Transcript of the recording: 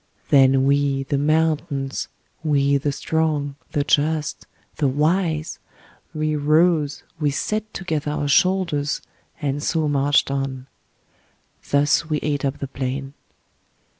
Then we, the mountains, we the strong, the just, the wise, we rose, we set together our shoulders and so marched on. Thus we ate up the plain.